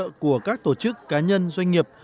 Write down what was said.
hỗ trợ của các tổ chức cá nhân doanh nghiệp